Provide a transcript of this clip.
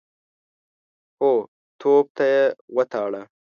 هو، توپ ته يې وتاړه.